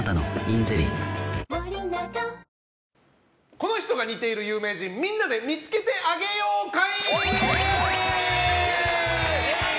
この人が似ている有名人みんなで見つけてあげよう会！